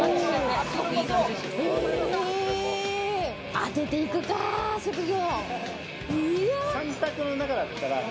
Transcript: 当てていくか、職業。